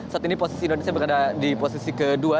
saat ini posisi indonesia berada di posisi kedua